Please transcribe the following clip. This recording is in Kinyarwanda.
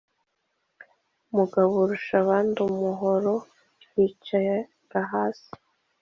mugaburushabandumuruho yicara hasi